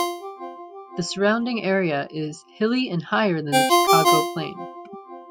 This surrounding area is hilly and higher than the Chicago Plain.